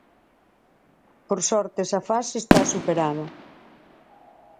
Por sorte esa fase está superada.